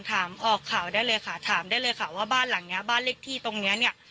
ถามออกข่าวได้เลยค่ะถามได้เลยค่ะว่าบ้านหลังเนี้ยบ้านเลขที่ตรงเนี้ยเนี้ย